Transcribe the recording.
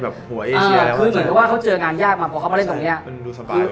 ซึ่งเหมาะว่าเขาเจอกันงานยาก